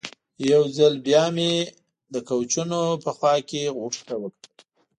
یو ځل بیا مې د کوچونو خوا کې غوټو ته وکتل.